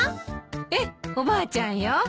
ええおばあちゃんよ。